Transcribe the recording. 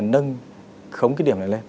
nâng khống cái điểm này lên